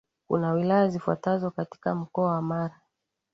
Kuna wilaya zifuatazo katika mkoa wa Mara